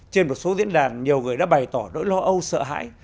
trên một số diễn đàn nhiều người đã bày tỏ nỗi lo âu sợ hãi